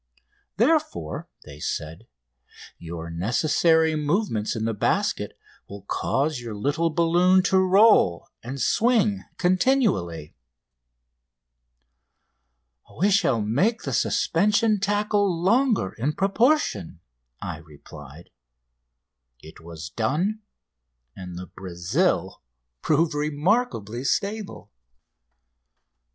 Therefore, they said, your necessary movements in the basket will cause your little balloon to roll and swing continually. "We shall make the suspension tackle longer in proportion," I replied. It was done, and the "Brazil" proved remarkably stable.